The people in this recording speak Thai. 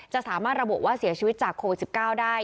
สามารถระบุว่าเสียชีวิตจากโควิด๑๙ได้